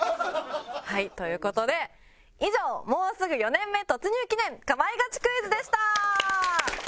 はいという事で以上もうすぐ４年目突入記念かまいガチクイズでした！